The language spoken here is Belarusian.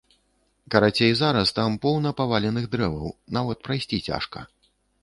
Карацей, зараз там поўна паваленых дрэваў, нават прайсці цяжка.